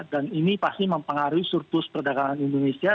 dan ini pasti mempengaruhi surplus perdagangan indonesia